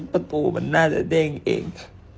ประตูมันน่าจะเด้งเอง